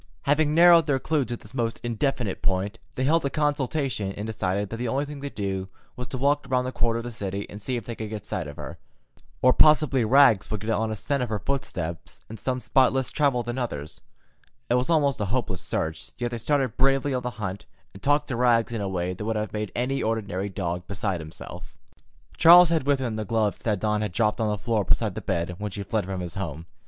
Having narrowed their clue to this most indefinite point, they held a consultation and decided that the only thing to do was to walk around that quarter of the city and see if they could get sight of her. Or possibly Rags would get on a scent of her footsteps in some spot less travelled than others. It was almost a hopeless search, yet they started bravely on the hunt, and talked to Rags in a way that would have made an ordinary dog beside himself. Charles had with him the gloves that Dawn had dropped on the floor beside the bed when she fled from his home.